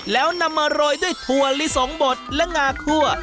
แล้วนำมาโรยด้วยถั่วลิสงบดและงาคั่ว